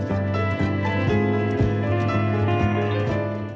investigation percelakaan lalu lintas